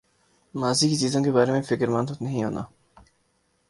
ماضی کی چیزوں کے بارے میں فکر مند نہیں ہوتا